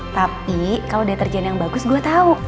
tapi kalo dia terjen yang bagus gue tau